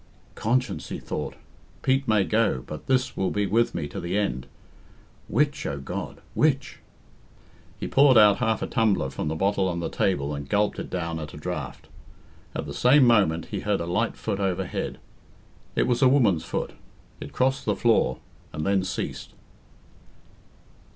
"Conscience!" he thought. "Pete may go, but this will be with me to the end. Which, O God? which?" He poured out half a tumbler from the bottle on the table, and gulped it down at a draught. At the same moment he heard a light foot overhead. It was a woman's foot; it crossed the floor, and then ceased.